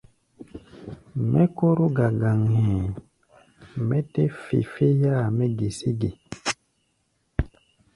Mɛ́ kóró gagaŋ hɛ̧ɛ̧, mɛ́ tɛ́ fe féáa mɛ́ gesé ge?